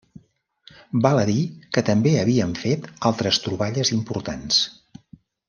Val a dir que també havien fet altres troballes importants.